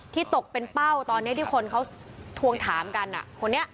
ที่ตกเป็นเป้าตอนนี้ที่คนเขาทวงถามกันอ่ะ